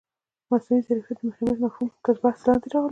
مصنوعي ځیرکتیا د محرمیت مفهوم تر بحث لاندې راولي.